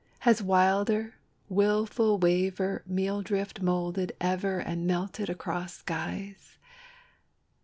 has wilder, wilful wavier Meal drift moulded ever and melted across skies?